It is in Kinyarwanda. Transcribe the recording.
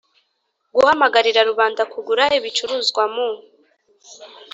guhamagarira rubanda kugura ibicuruzwa mu